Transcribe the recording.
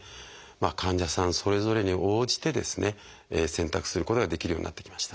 患者さんそれぞれに応じてですね選択することができるようになってきました。